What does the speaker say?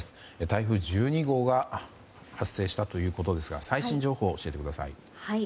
台風１２号が発生したということですが最新情報を教えてください。